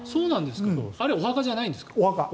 あれはお墓じゃないんですか？